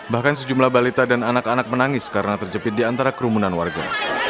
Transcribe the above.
bahkan sejumlah balita dan anak anak menangis karena terjepit di antara kerumunan warga